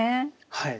はい。